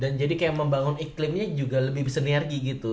dan jadi kayak membangun iklimnya juga lebih bisa energi gitu